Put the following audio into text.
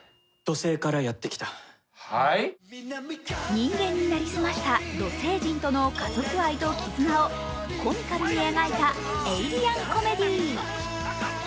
人間に成り済ました土星人との家族愛と絆をコミカルに描いたエイリアンコメディー。